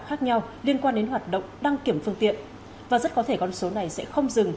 khác nhau liên quan đến hoạt động đăng kiểm phương tiện và rất có thể con số này sẽ không dừng